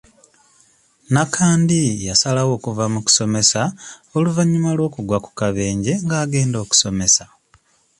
Nakandi yasalawo okuva mu kusomesa oluvannyuma lw'okugwa ku kabenje ng'agenda okusomesa